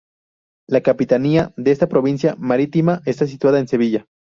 La capitanía de esta provincia marítima está situada en Sevilla.